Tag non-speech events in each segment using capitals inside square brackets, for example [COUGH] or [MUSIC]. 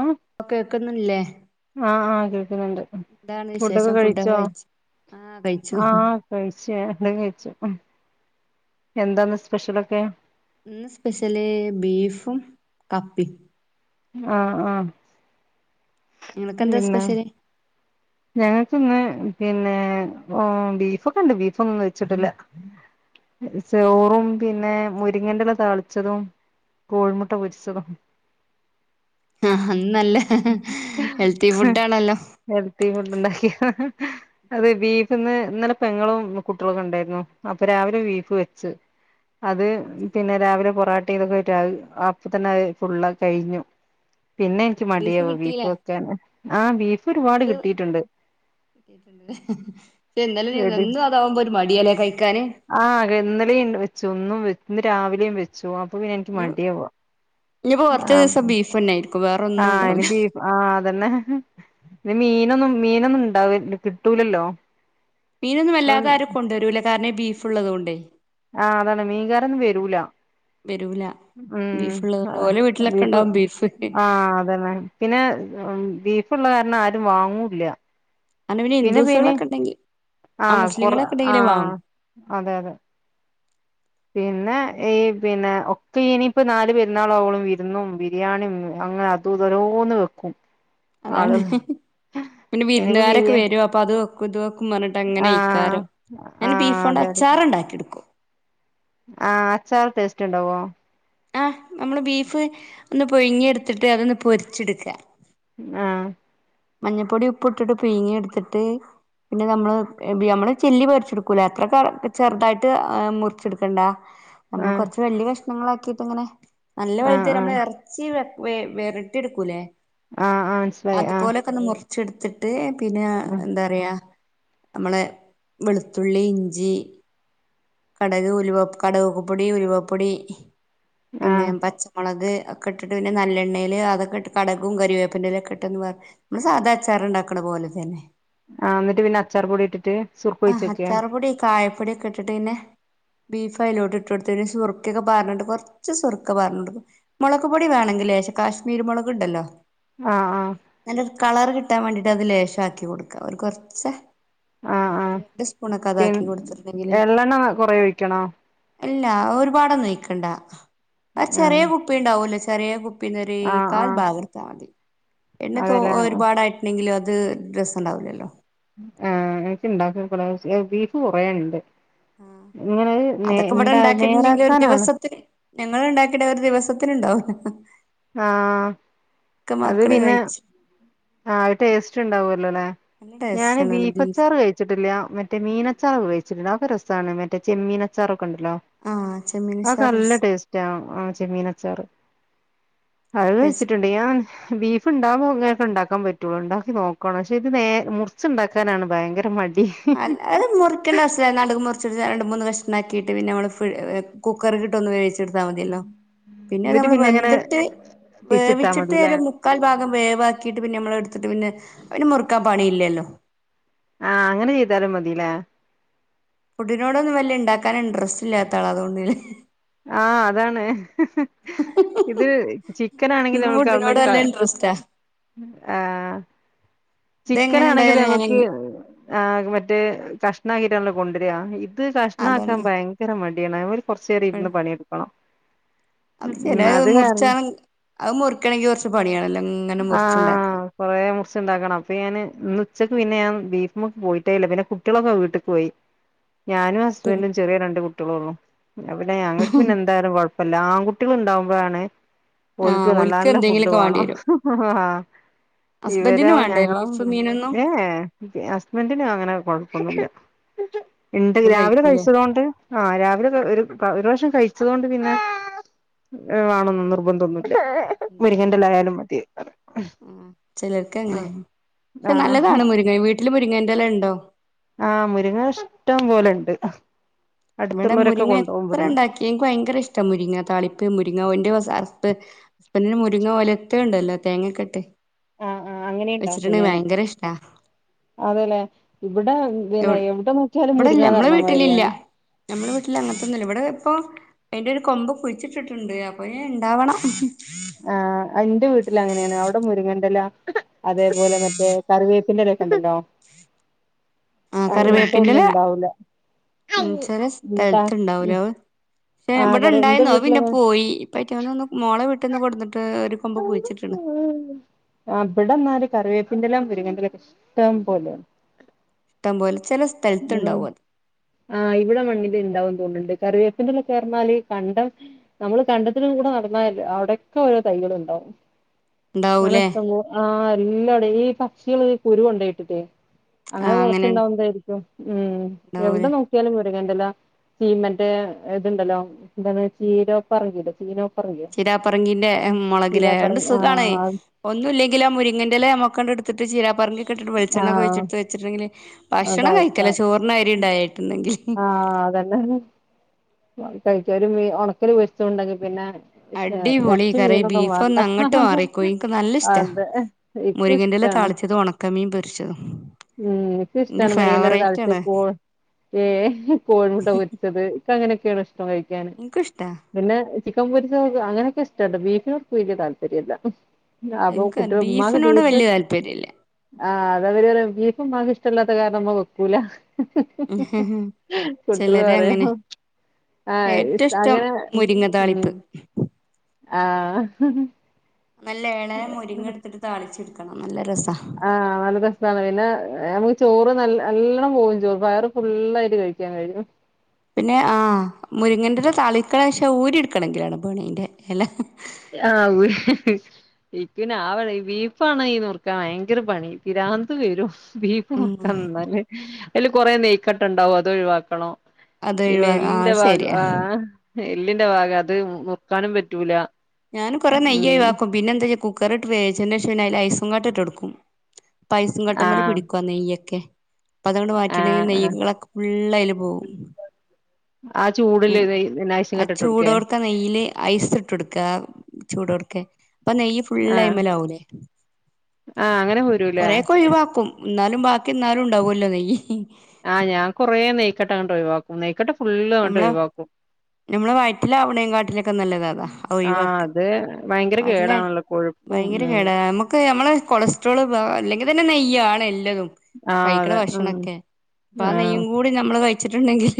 ആ ഇപ്പൊ കേക്കുന്നില്ലേ ഉണ്ട് എന്താണ് ഫുഡൊക്കെ വിശേഷം കഴിച്ചോ കഴിച്ച് ആഹ് കഴിച്ചു ആ കഴിച്ച് ഇപ്പോളെ കഴിച്ചു എന്താന്ന് സ്പെഷ്യലൊക്കെ ഇന്ന് സ്പെഷ്യല്ല് ബീഫും കപ്പേം ആഹ് ആഹ് നിങ്ങൾ ക്ക് എന്താ പിന്നെ സ്പെഷ്യല്ല് ഞങ്ങൾക്കിന്ന് പിന്നെ ബീഫൊക്കെ ഉണ്ട് ബീഫ് ഒന്നും വെച്ചിട്ടില്ല ചോറും പിന്നെ മുരിങ്ങണ്ടല താളിച്ചതും കോഴിമുട്ട പൊരിച്ചതും ആഹ് നല്ല ഹെൽത്തി ഫുഡ് ആണല്ലോ ഹെൽത്തി ഫുഡ് ഉണ്ടാക്കി അതെ വീട്ടീന്ന് ഇന്നലെ പെങ്ങളും കുട്ടികളൊക്കെ ഉണ്ടായിരുന്നു അപ്പൊ രാവിലെ ബീഫ് വെച്ച് അത് പിന്നെ രാവിലെ പൊറാ [UNINTELLIGIBLE] അപ്പ തന്നെ ഫുള്ള് കഴിഞ്ഞു പിന്നെ എൻക് മടിയാവാ ബീഫ് വെക്കാൻ ആ ബീഫ് ഒരുപാട് കിട്ടിട്ടുണ്ട് കിട്ടിയിട്ടുണ്ട് പക്ഷെ ഇന്നലെ [UNINTELLIGIBLE] എന്നും അതാവുമ്പോ ഒരു മടിയാല്ലേ കഴിക്കാന് ആഹ് ഇന്നലേം വെച്ച് ഇന്നും വെ ഇന്ന് രാവിലെയും വെച്ചു പിന്നെ എനിക്ക് [UNINTELLIGIBLE] മടിയാവ നീപ്പോ കുറച്ച് ആഹ് ദിവസം ബീഫ് തന്നായിരി ആഹ് അന് ബീഫ് ആഹ് അതന്നെ ഇനി മീനൊന്നും മീനൊന്നും ഇണ്ടാവ കിട്ടൂലല്ലോ മീനൊന്നും ഇപ്പം വല്ലാതെ ആരും കൊണ്ടുവരൂല കാരണം ബീഫ് ഉള്ളതൊണ്ടേ ആഹ് അതാണ് മീൻകാരൊന്നും വരൂല വെരൂല ഉം ബീഫ്ള്ളതോണ്ട് ഓലെ വീട്ടിലൊക്കെ ഉണ്ടാവും ബീഫ് ആഹ് അതന്നെ പിന്നെ ബീഫ്ള്ള കാരണം ആരും വാങ്ങൂല്ല അന പിന്നെ ഹിന്ദൂസുകളൊക്കെ ഉണ്ടെങ്കി ആ ആഹ് കൊറ മുസ്ലിങ്ങളൊക്കെ ഉണ്ടെങ്കിലെ ആഹ് വാങ്ങു അതെ അതെ പിന്നെ ഈ പിന്നെ ഒക്കെ ഇനിപ്പ നാല് പെരുന്നാളാവോളം വിരുന്നും ബിരിയാണിം അങ്ങ അതും ഇതൊരുന്നു വെക്കും അതാണ് ആളുകൾ പിന്നെ ഇനിയിപ്പോ വിരുന്നുകാരൊക്കെ ബിരിയാ വരും അപ്പൊ അത [UNINTELLIGIBLE] [UNINTELLIGIBLE] പറഞ്ഞിട്ട് അങ്ങനെ ആഹ് ഇയിക്കാരം ഞാന് ആഹ് ബീഫോണ്ട് അതെ അതെ അച്ചാറ്ഇണ്ടാക്കി എടുക്കും ആഹ് അച്ചാറ് ടേസ്റ്റ് ഉണ്ടാവോ ആഹ് നമ്മള് ബീഫ് ഒന്ന് പൊഴുങ്ങിയ എടുത്തിട്ട് അതൊന്ന് പൊരിച്ചെടുക്ക ആഹ് മഞ്ഞൾപ്പൊടി ഉപ്പ് ഇട്ടിട്ട് പുയ്ങ്ങി എടുത്തിട്ട് പിന്നെ നമ്മള് നമ്മള് ചില്ലി പൊരിച്ചെടുക്കൂലെ അത്രക് ചെറുതായിട്ട് ഏഹ് മുറിച്ചെടുക്കണ്ട നമ്മള് ആഹ് കൊറച്ച് വെല്യ കഷ [UNINTELLIGIBLE] ങ്ങളാക്കിയിട്ട് ഇങ്ങനെ നല്ല ആഹ് വെൽതേരം ആഹ് നമ്മള് ഇറച്ചി വെക് വെ വെറിട്ടി എടുക്കൂല്ലേ ആഹ് ആഹ് മനസിലായി പ്പോലൊക്കെ ഒന്ന് മുർ ച്ചെടുത്തിട്ട് പിന്നെ ഉം എന്താ പറയാ നമ്മളെ വെളുത്തുള്ളി ഇഞ്ചി കടക് ഉല കടകക്ക്പ്പൊടി ഉലുവപ്പൊടി പിന്നെ ആഹ് പച്ചമുളക് ഒക്കെ ഇട്ട് പിന്നെ നല്ലെണ്ണയിൽ അതൊക്കെ ഇട്ട് കടകും കവേപ്പിന്റെലൊക്കെ ഇട്ടെന്ന്ന്ന് പറ നമ്മള് സാധാച്ചാറ ഉണ്ടാക്കണ പോലെ തന്നെ ആഹ എന്നിട്ട് പിന്നെ അച്ചാർ പൊടി ഇട്ടിട്ട് സുർപ്പൊഴിച്ചൊക്കാ പൊടിയൊക്കെയിട്ടട്ട് പിന്നെ ബീഫ അലോട്ട് ഇട്ട് കൊടുത്തന് സുറുക്കൊക്കെ പറഞ്ഞിണ്ട് കൊറച്ച് സുറുക്ക പറഞ്ഞിണ്ട് മുളക് പൊടി വേണെങ്കിൽക്ഷെ കാശ്മീരി മുളക്ുണ്ടല്ലോ ആആ കളർ കിട്ടാൻ വേണ്ടിട്ട് അത് ലേശം ആക്കി കൊടുക്കാം ഒരു കൊറച്ച് ആഹ് ആഹ് രണ്ട് സ്പൂണൊക്കെ പി അതാക്കി കൊടുത്തിട്ടുണ്ടെങ്കില് എള്ളെണ്ണ കൊറേ ഒഴിക്കണോ അല്ല ഒരുപാടൊന്നുഴിക്കണ്ട ആ ആഹ് ചെറിയ കുപ്പി ഉണ്ടാവൂലേ ചെറിയ കുപ്പി പിന്നരെ ആഹ് കാൽ ആഹ് ഭാഗർത്ത എന്നെ തോ അതെല്ലേ ഒരുപാടായിട്ടണെങ്കിലും അ അത് രസണ്ടാവില്ലല്ലോ ഉണ്ടാവില്ലല്ലോ ആ് എനക്ക് ഇണ്ടാക്ക ബീഫ് കുറേണ്ട് ആ അതൊക്കെ ഇവിടെ ഉണ്ടാക്കിയിട്ടുണ്ടെങ്കിൽ ഒരു നേരാക്കാനാണ് ദിവസത്തെ ഞങ്ങൾ ഉണ്ടാക്കിയിട്ട ഒരു ദിവസത്തെ ണ്ടാവുല്ല ആഹ അത് പിന്നെ കഴിച്ചു ആ ടേസ്റ്റ് ഉണ്ടാവല്ലോല്ലെ നല്ല ഞാന് ടേസ്റ്റ് ആണ് ബീഫ് ബീഫച്ചാർ കഴിച്ചിട്ടില്ല മറ്റേ മീനച്ചാറൊക്ക കഴിച്ചിട്ടില്ലോ രസമാണ് മറ്റേ ചെമ്മീനച്ചറ ണ്ടല്ലോ ആ ആ ചെമ്മീൻച്ചാർ നല്ല ടേസ്റ്റ ആ ആ ചെമ്മീൻ അച്ചാറ് അത് ടേസ്റ്റ് വെച്ചിട്ടുണ്ട് ഞാൻ ബീഫ് ഇ ഉണ്ടാവോങ്ങൊക്ക ഉണ്ടാക്കാൻ പറ്റുള്ളു ഉണ്ടാക്കി നോക്കണം പക്ഷെ ഇത് നേ മുറച്ച്ുണ്ടാക്കാനാണ് ഭയങ്കര മ അല്ല അത് മുറിക്കേണ്ട അവസ്ഥ നാ മുറിച്ച രണ്ട മൂന്ന് വം ണ്ടാ ക്കിയിട്ട് പിന്നെ നമ്മൾ കുക്കറിലിട്ടൊന്ന് വേവിച്ചു എടുത്താൽ മതിയല്ലോ പിന്നെ എന്നിട്ട് നമ്മൾ ഇങ്ങനെ വെന്തിട്ട് പിച്ചിട്ടാ മതില്ലേ വേവിച്ചിട്ട് മുക്കാൽ ഭാഗം വേവാക്കിട്ട് പിന്നെ നമ്മ എടു ട്ട് പിന്നെ പിന്നെ മുറുക്കാൻ പണി ഇല്ലല്ലോ ആ അങ്ങനെ ചെയ്താലും മതിലേ ഫുഡിനോടൊന്നും വല്ിയ ഉണ്ടാക്കാനുണ്ട് ആഅതാണ് ഇത് ചിക്കൻാണെങ്കിൽ എനിക്ക് നമ്മൾന്ന് ഫുഡിനോട് നല്ല ഇൻട്രസ്റ്റാ ആ ചിക്കൻ ഇതെങ്ങനെ ആണെങ്കിൽ ഉണ്ടായാലും ഞാൻ നമക്ക് ആ മറ്റേ കഷ [UNINTELLIGIBLE] കൊണ്ടരിക ഇത് കഷ്ണാക്കാൻ അതാണ് ഭയങ്കര മ [UNINTELLIGIBLE] കുറച്ചേരം ഇരുന്ന് പണിയെടുക്കണം അപ്പ ഉം ചെലഹ് അത് മുറിച്ചാ കാരണം വ് അത് മുറുക്കണെങ്കി കൊറ്ച്ച് പണ്യാണല്ലോ. ആഹ് കൊറേ മുറ്ച്ച്ണ്ടാക്കണം. അപ്പെ ഞാന് ഇന്ന് ഉച്ചക്ക് പിന്നെ ഞാൻ ബീഫ് മ്ക്ക് പോയിട്ടേ ഇല്ല ബെല കുട്ട്യേളൊക്കെ വീട്ട്ക്ക് പോയി ഞാനും ഹസ്ബൻറും ചെറിയ രണ്ട് കുട്ട്യേളൊള്ളു ന്നാപിന്നെ ഞങ്ങക്ക് പിന്നെ എന്തായലും കൊഴ പെല്ലാംൺകുട്ട്യേള് ഇണ്ടാവുമ്പഴാണ് ഓല്ക്ക് ആഹ് നല്ല ഓൽക്ക് നല്ല ഫുഡ് എന്തെങ്കിലുമൊക്കെ വേണ്ടി വാണം. വരും ആഹ് വിവരാ ഹസ്ബൻഡിന് വേണ്ടേ ഞങ്ങളും ബീഫ് മീനൊന്നും ഏ എ ഏ എ ഹസ്ബന്റ്നോ അങ്ങനെ കൊഴപ്പൊന്നുല്ല ഇണ്ട് എന്തും രാവിലെ കഴിക്കൂലേ കഴിച്ചതോണ്ട് ആഹ് രാവിലെ ഒരു പഒരു റാഷം കഴിച്ചതോണ്ട് പിന്നെ വാണൊന്നും നിർബ [UNINTELLIGIBLE] ന്ധന്നു മുരിങ്ങന്റലായാലും മതി ഉം ചെലർക്ക് അങ്ങനെ ആഹ് പക്ഷെ ആഹ് നല്ലതാണ് മുരിങ്ങ വീ വീട്ടില് മുരിങ്ങൻന്റെല്ല ണ്ടോ? ആഹ് മുരിങ്ങ ഇഷ്ടം പോലെണ്ട്. ഇവിടെ അടുത്തുള്ളവരൊക്കെ മുരിങ്ങ കൊണ്ടോകും എത്ര ഇവിടുന്ന് ണ്ടാക്കി ഇൻക്ക് ഭയങ്കര ഇഷ്ടാ മുരിങ്ങ താളിപ്പ്. മുരിങ്ങോന്റെ സർപ്പ് പിന്നെ മുരിങ്ങ ഒലത്ത ഇണ്ടല്ലോ തേങ്ങക്കെട്ട് ആ ആ അങ്ങനീണ്ടാക്കും ഞാന് അതെ ലെ എവ് ഇവടല്ല. ഞമ്മള വീട്ടിലില്ല. പറഞ്ഞമാതിരിയാണ് ഞമ്മളെ വീട്ടില അങ്ങനത്തൊന്നുംല്ല. ഇവിടെ ഇപ്പൊ അയ്ന്റെ ഒരു കൊമ്പ് കുഴിച്ചിട്ടിട്ടുണ്ട്. അപ്പൊ ഞ് ഉണ്ടാവണം ആഹ് അഇന്റെ വീട്ടിൽ അങ്ങനേണ്. അവിടെ മുരിങ്ങ ൻ്റല അതേപോലെ മറ്റേ കറിവേപ്പിന്റെ ല ക്കണ്ടല്ലോ ആ കറിവേപ്പിന്റെല്ല ഉം ചെലെ എന്താ സ്ഥലത്ത്ണ്ടാവൂല വ് പക്ഷെ ആഹ് ഇവടെ കറി എന്റെ ഇണ്ടായിന്നൂ. അത് പിന്നെ വീട്ടിലൊന്നും പോയി. ഇപ്പ അയ്റ്റങ്ങന്ന് ഒന്ന് മോളെ വീട്ട് ന്ന് കൊട്ന് അവിടെ ഇന്നാല് കറിവേ പിൻ്റെല, മുരിങ്ങ ൻ്റെല ക്കെ ഇഷ്ടം പോലെയാ. തമ്പോൽ ഉം ആഹ് ഇവിടെ മണ്ണില് ണ്ടാവും തോന്നുണ്ട് കറിവേപ്പിന്റലക്കെ പറഞ്ഞാല് കണ്ടം നമ്മള് കണ്ടത്തിന്റെ ഉള്ളിക്കൂടെ നടന്നാ ചെല്ല അവിടെക്കെ ഓരോ തൈകൾ ഉണ്ടാവും. അങ്ങനെ ഉണ്ടാവൂലേ ഇഷ്ടം പോ ആ ഇല്ലടി ഈ പക്ഷികള് കുരു കൊണ്ടോയിട്ടിട്ടേ അങ്ങനെ മുളച്ചുണ്ടാവുന്നതായിരിക്കും ഉം ഉം എവിടെ ഉണ്ടാവൂലേ നോക്യാലും വെ ചീമന്റെല ചീമന്റെ ഇതുണ്ടല്ലോ എന്തത് ചീരൊ പറീലെത് ചീരൊ ചിരാപ്പറങ്കിന്റെ മൊളകില ന്ത്‌ ചീരാപ്പറങ്കി സുഖാണ് ആഹ് ഒന്നുംല്ലെങ്കിലും ആ മുരിങ്ങന്റെല നമ്മക്കങ്ങണ്ട്ടു ത്തിട്ട് ചീരാ പറുങ്കി ഇട്ടിട്ട് വെളിച്ചെണ്ണ ആഹ് കുഴച്ചെടുത്ത് വെച്ചിട്ടെങ്കില് അതാ ഭക്ഷണം കഴിക്കല്ല ചോറിന് അരി ണ്ടായിട്ടുണ്ടെങ്കില് ആഹ് അതന്നെ കഴിക്ക ഒരു ഒണക്കൽ പൊരിച്ചതും ഉണ്ടെങ്കി പിന്നെ അടിപൊളി ഇറച്ചി കറി മീനൊന്നും വേണ്ട ബീഫ്ന്ന് അങ്ങട്ട് മാറിക്കും എൻക്ക് നല്ല ഇഷ്ടാ അതെ ഇക്കും മുരിങ്ങിന്റെല ഇഷ്ടാണ് താളിച്ചത് ഒണക്കമീൻ പൊ രിച്ചതും ഉം എനിക്കിഷ്ടാണ് മുരിങ്ങേന്റല താളിച്ചത് ഏ കോഴിമുട്ട പൊരിച്ചത് ക്ക് അങ്ങനെ ക്കേണ് പോയേക്കാണ് ഇൻക്കുഷ്ടാ പിന്നെ ചിക്കൻ പൊരിച്ചതൊക്കെ അങ്ങനെക്കെ ഇഷ്ട്ടണ്ട് ബീഫിനോടക്കെ വല്യ താല്പര്യവില്ല ഉം അപ്പൊ ഇൻക്ക് കുട്യോ ഉമ്മാക്ക് ബീഫിനോട് ബീഫ് വല്യ താല്പര്യല്ല ആ അത അവര് വരു ബീഫുമ്മാക്ക് ഇഷ്ടവില്ലാത്ത കാരണം ഉമ്മ വെക്കൂല കുട്ടികള് പറയും ചിലരങ്ങനെ ആ ഏറ്റവും ഇഷ് ഇഷ്ടം അങ്ങനെ മുരിങ്ങ ഉം താളിപ്പ് ആ നല്ല ഏളയ മുരിങ്ങ എടുത്തിട്ട് താളിച്ചെടു ആ [UNINTELLIGIBLE] മു ചോറ് നല്ല നല്ലപോകേം ചെയ്യും വയറ് ഫുള്ളായിട്ട് കഴിക്കാൻ കഴിയും പിന്നെ ആ മുരിങ്ങന്റെല താളികള പക്ഷെ ഊരി എടുക്കണെങ്കിലാണ് പണി ന്റെ എല ആ ഇക്കു പിന്നെ ആ പണി ബീഫാണ് നുറുക്കാൻ ഭയങ്കര പണി പിരാന്ത്‌ വരും ബീഫ് ഉം നുറുക്കുകന്നുള്ളതല്ലേ അതില് കുറേ നെയ്ക്കട്ടണ്ടാവും അതൊഴിവാക്കണം അതൊഴിവ ആ ശരിയാ എല്ലിന്റെ ഭാഗം അത് മുർക്കാനും പറ്റൂല ഞാന് കൊറെ നെയ്യായി ഉം വക്കും പിന്നെ എന്താ കുക്കറിട്ട് വേവിച്ചേനെഷം അതിൽ ഐസങ്ങാട്ടീട്ടോടുക്കും പൈസും കട്ടമേല ആഹ് പിടിക്കു നെയ്യൊക്കെ പ്പ അതൊണ്ട് മാറ്റിട്ണ്ടെങ്ക ആഹ് ആഹ് നെയ്യങ്ങളക്കെ ള്ളല് പോവും ആ ചൂടില് നൈസും ആ കെട്ടിട്ട് കൊടുക്കേ ചൂടോർക്ക നെയില് ഐസ് ഇട്ട എടുക്കുക ചൂടോർക്കെ അപ്പ നെയ്യ് ഫുൾ ഐമലാവൂലേ ആ കൊറെേക്ക ഒഴിവാക്കും എന്നാലും ബാക്കി എന്നാലും ണ്ടാവോലോ നയ്യ് ആ ഞാൻ കൊറെ നെയ്ക്കട്ട അങ്ങട്ട് ഒഴിവാക്കും നെയ്ക്കട്ട ഫുള് ആട്ട് ഒഴിവാക്കും നമ്മള് വയറ്റിലാവണേ കാട്ടിലൊക്കെ നല്ലതാ അതാ ആഹ് ഒഴവാക്ക അത് ഭയങ്കര വയറ്റില കേടാണല്ലോ കൊഴുപ്പും ഭയങ്കര കേട നമ്മുക്ക് നമ്മെ കൊളസ്ട്രോള് അല്ലെങ്കിൽ തന്നെ നെയ്യ ആണ് ലതും ആഹ് കഴിക്ക്ണ അതെ ഉം ഭക്ഷണക്കെ ആ ആഹ് നെയ്യു കൂടി നമ്മൾ വച്ചിട്ടുണ്ടെങ്കിൽ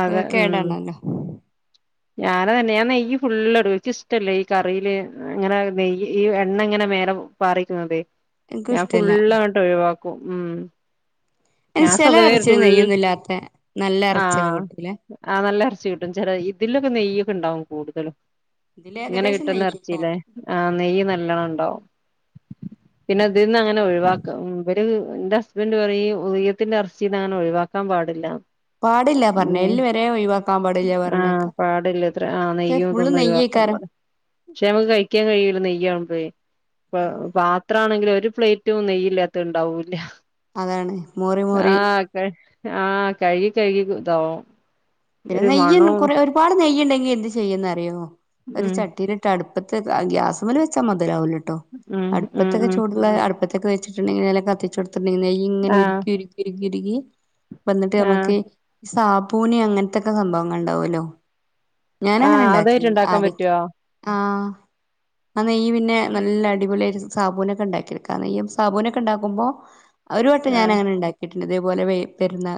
അതെ ഉം ഞാന തന്നെ ഞാൻ നെയ്യ് ഫുള്ളിടു എനിക്കിഷ്ടല്ല ഈ കറിയില് അങ്ങനെ നെയ്യ് ഈ എണ്ണ ഇങ്ങനെ മേലെ പാറിക്കുന്നതെ എനിക്കും ഞാൻ ഇഷ്ടല്ല ഫുള്ളങ്ങട്ട് ഒഴിവാക്കും ഉം ഞാൻ ചില ഇറച്ചില് നെയ്യൊന്നും ഇല്ലാത്ത നല്ല [UNINTELLIGIBLE] ആ ഇറച്ചിയൊക്കെ കിട്ടൂലേ ആഹ് നല്ല ഇറച്ചി കിട്ടും ചെല ഇതിലൊക്കെ നെയ്യ് ക്കെ ഉണ്ടാവും കൂടുതലും ഇതില് ഇങ്ങനെ ഏകദേശം കിട്ടുന്ന ഇറച്ചില്ലേ നെയ്യേക്കാരം ആ നെയ്യ് നല്ലണം ഉണ്ടാവും പിന്നെ അതിന്ന് അങ്ങനെ ഒഴിവാക്ക ഉ പറ്റാ എന്റെ ഹസ്ബൻഡ് പറയും ഉദയത്തിന്റെ ഇറച്ചി ഇങ്ങനെ ഒഴിവാക്കാൻ പാടില്ല പാടില്ല പറഞ്ഞ് എല്ല് വരെ ഒഴിവാക്കാൻ പാടില്ല ആ പറയണേക്കാ പാടില്ല ഇത്ര ആ പക്ഷെ നെയ്യും ഫുള്ള് തോന്നും ഒഴിവാക്ക നെയ്യേക്കാരം പാട പക്ഷെ നമുക്ക് കഴിക്കാൻ കഴില നെയ് പാത്രണെങ്കിലിൽ ഒറ്റ് ഒരു പ്ലേറ്റും നെയ്യില്ലാത്ത ഉണ്ടാവൂല അതാണ് മോറി മോറി ആ കഴി കഴുകിതാവും പിന്നെ നെയ്യ കുറ ഒരുപാട് നെയ്യുണ്ടെങ്കി എന്ത്തു ചെയ്യന്ന് അറിയോ ഒരു ഉം ചട്ടീ ഇട്ട അടുപ്പത്തെ ഗ്യാസ് വെച്ചാൽ മുതലാവലോ കേട്ടോ ഉം ഉം അടുപ്പത്തൊക്കെ ഉം ചൂടുള്ളഅടുപ്പത്തെ അക് വെച്ചിട്ടുണ്ടലെ കത്തിച്ചു നെയ ഇങ്ങനെ ആഹ് ഉരുക്കിരുക്കി [INAUDIBLE] വന്നിട്ട് ആഹ് നമ്മക്ക് സാബൂനെ അങ്ങനെ ഇത്തൊക്കെ സംഭവങ്ങൾ ഉണ്ടാവുമല്ലോ ഞാൻ അങ്ങനെ ആഹ് ഉണ്ടാക്കി അതായിട്ട് ഉണ്ടാക്കാൻ അതെ പറ്റുവോ ആ നെയ്യ് പിന്നെ നല്ല അടിപൊളിയായിട്ട് സാബൂനൊക്കെ ഉണ്ടാക്കിയെടുക്കാം ഈ സാബൂനൊക്കെ ഉണ്ടാക്കുമ്പോ ഒരു വെട്ടം ഞാൻ ആഹ് അങ്ങനെ ഉണ്ടാക്കിയിട്ട് പിന്നെ ഇതേപോലെ പരുന്ന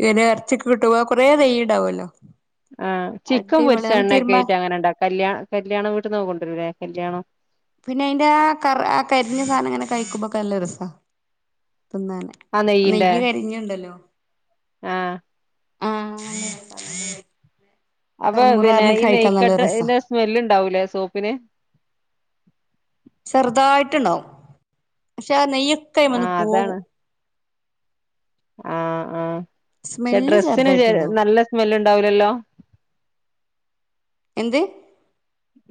ഇങ്ങനെ ഇറച്ചിക്ക് കിട്ടുമ്പോ കുറേ നെയ്യുണ്ടാവുമല്ലോ ആഹ് ചിക്കൻ പൊരിച്ചെണ്ണ ഒക്കെ ആയിട്ട് അങ്ങനെ ഇണ്ടാക്കഇല്ല കല്യാണ വീട്ടീന്ന് ഒക്കെ കൊണ്ട് ഇ [UNINTELLIGIBLE] കല്യാണം പിന്നെ അയിന്റെ ആ കറ കരിഞ്ഞ സാധനം ഇങ്ങനെ കഴിക്കുമ്പോക്കെ നല്ല രസാ തിന്നാനെ ആ നെയ്യിന്റെ നെയ്യ് കരിഞ്ഞയുണ്ടല്ലോ ആഹ് ആഹ് [INAUDIBLE] അപ്പൊ പിന്നെ കർമുറാറിന് ഈ കഴിക്കാൻ നല്ല രസാ നെയ്ക്കട്ടേടെ സ്മെല്ലുണ്ടാവൂലെ സോപ്പിന് ചെറുതായിട്ടുണ്ടാവും പക്ഷെ നെയ്യൊക്കെമൊന്നും ആഹ് അതാണ് പോകും ആഹ് ആഹ് പക്ഷെ സ്മെല്ല് ഡ്രസ്സിന് ചെ ചെറുതായിട്ടുണ്ടാവും നല്ല സ്മെല്ല് ഉണ്ടാവൂലല്ലോ എന്ത്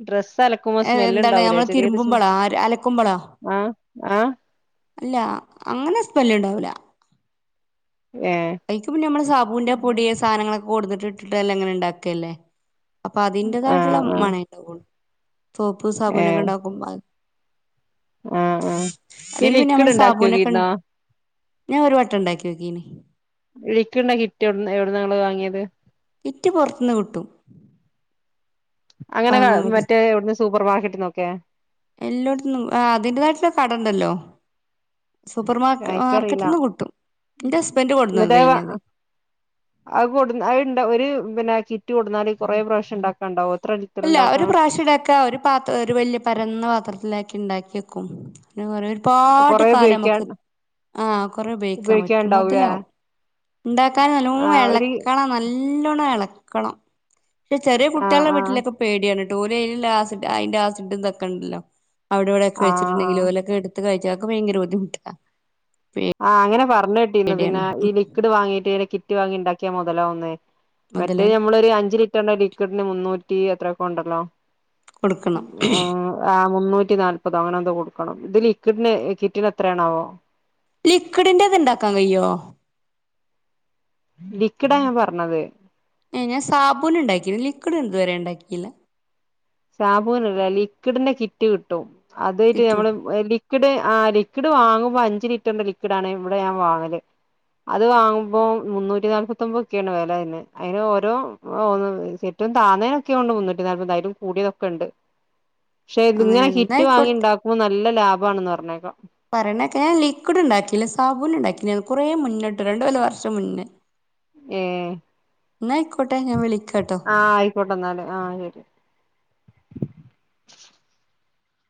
ഡ്രസ്സ് അലക്കുമ്പോ സ്മെല് എന്താണ് ഉണ്ടാവൂലേ ഞമ്മള് ചെറിയൊരു സ്മെ തിരുമ്പുമ്പളാ അലക്കുമ്പളാ ആഹ് ആഹ് അല്ല അങ്ങനെ സ്മെല്ല് ഉണ്ടാവൂല ഏഹ് എനിക്ക് പിന്നെ നമ്മള് സാബൂന്റെ പൊടിയെ സാധനങ്ങളൊക്കെ കൊണ്ടുന്നിട്ട് ഇട്ടിട്ടെല്ലാം ഇങ്ങനെ ഉണ്ടാക്കുകല്ലേ അപ്പൊ അതിന്റേതായിട്ടുള്ള ആഹ് ആഹ് മണം ഉണ്ടാവുള്ളൂ സോപ്പ് സാബൂനൊക്കെ ഉണ്ടാക്കുമ്പ ആ ആ ഈ അല്ലെങ്കി പിന്നെ ലിക്വിഡ് നമ്മള് ഉണ്ടാക്കി സാബൂനൊക്കെ നോക്കിയിരുന്നോ ഞാൻ ഒരു വട്ടം ഉണ്ടാക്കി നോക്കീന് ലിക്വിഡിന്റെ കിറ്റ് എവിടുന്നാ എവിടുന്നാ ഇങ്ങള് വാങ്ങിയത് കിറ്റ് പൊറത്തൂന്ന് കിട്ടും അങ്ങനെ ക വാങ്ങാൻ മറ്റേ ഇവിടുന്ന് സൂപ്പർ മാർ കിട്ടുന്നൊക്കെ എല്ലോടത്തൂന്നും അതിന്റെതായിട്ടുള്ള കട ഉണ്ടല്ലോ സൂപ്പർ മാർക്ക് എനിക്കറിയില്ല മാർക്കറ്റിൽന്ന് കിട്ടും എന്റെ ഹസ്ബൻഡ് എന്നിട്ട് അ കൊടുന്നതേനത് അത്കൊണ്ടന്ന് അത് കൊണ്ട് ഒരു അപ്പം പിന്നെ ആ കിറ്റ് കൊണ്ട് വന്നാല് കൊറേ പ്രാവശ്യം ഉണ്ടാക്കാൻ ഉണ്ടാവുവോ അത് അല്ല ഒരു പ്രാവശ്യം ഇതാക്ക ഒരു പാത്രം ഒരു വലിയ പരന്ന പാത്രത്തിലാക്കി ഉണ്ടാക്കി കും പിെറ [UNINTELLIGIBLE] ഒരുപാട് കൊറേ കാലം ഉപയോഗിക്കാൻ നമുക്ക് ആ കുറേ ഉപയോഗിക്കാൻ പറ്റും ഉപയോഗിക്കാണ്ടാവൂലേ മുതലാവും ഉണ്ടാക്കാൻ നല്ലൂ ആഹ് ഒരു ഇളക്കണം നല്ലോണ്ണം ഇള ക്കളം ക്ഷെ ചെറിയ കുട്ടിയൊള്ള ആഹ് ആഹ് വീട്ടില് പേടിയാണ് ടോലിയിലാസിഡാന്റാസിഡ്ത്ക്കെണ്ടല്ലോ അവിടെവിടെക്കെ ആഹ് വച്ചിട്ടുണ്ടെകിൽ ആഹ് ഓലക്കെ എടുത്ത് കഴിച്ചാ അത് ഭയങ്കര ബുദ്ധിമുട്ട ആഹ് അങ്ങനെ വ [UNINTELLIGIBLE] പിന്നെ ഉം ഈ ലിക്വിഡ് വാങ്ങീട്ട് റ്റ് വാങ്ങിണ്ടാക്കിയ മുതലാവ്ന്നേ മറ്റേ മുതലാവും ഞമ്മളൊരു അഞ്ച് ലിറ്റർന്റെ ലി ലിക്വിഡ്ന് മുന്നൂറ്റി എത്രെക്കൊ ഉണ്ടല്ലോ കൊടുക്കണം [UNINTELLIGIBLE] ആഹ് മുന്നൂറ്റി നാല്പത് അങ്ങനെന്തോ കൊടുക്കണം ഇത് ലിക്വിഡ്ന് കിറ്റിന് എത്രയാണാവോ ലിക്വിഡിന്റെത് ഇണ്ടാക്കാൻ കയ്യോ ലിക്വിഡാ ഞാൻ പർണത് എ ഞാൻ സാബൂൻ ഉണ്ടാക്കി ലിക്വിഡ് ഇത്വരെ ഉണ്ടാ‌ക്കില സാബൂനല്ല ലിക്വിഡിന്റെ കിറ്റ് കിട്ടും അതായിട്ട് കിറ്റു ഞമ്മള് എലി ക്ക്ഡ് ആ ലിക്വിഡ് വാങ്ങുമ്പോ അഞ്ച് ലിറ്ററിന്റെ ലിക്വിഡാണ് ഇവിടെ ഞാൻ വാങ്ങല് അത് വാങ്ങുമ്പോ മുന്നൂറ്റി നാല്പത്തൊൻമ്പത്ക്കെയാണ് വെല വന്നെ അയിന് ഓരോ ഏറ്റവും താനേക്കെയൊണ്ട് മുന്നൂറ്റി [UNINTELLIGIBLE] കൂടിയതൊക്ക്ണ്ട് ക്ഷെ ഇത് ഇങ്ങനെ അങ്ങനെയാണ് ന്നാ കിറ്റ് വാങ്ങി ഇണ്ടാക്കുമ്പോ നല്ല ലാ ലാഭാണെന്ന് പർഞ്ഞേക്കാ പറയണക്കെ ലിക്വിഡ് ഉണ്ടാ‌ക്കില്ല സാബൂൻ ഉണ്ടാക്കി ഞാൻ കുറേ മുന്നിട്ട് രണ്ട വല്ല വർഷം മുന്നേ ഏഹ് ന്നാ ആയിക്കോട്ടെ ഞാൻ വിളിക്കാട്ടോ ആഹ് ആയിക്കോട്ടെന്നാല് ആഹ് ശരി